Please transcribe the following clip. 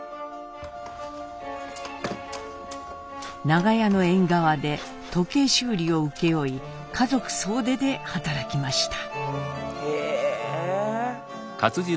長屋の縁側で時計修理を請け負い家族総出で働きました。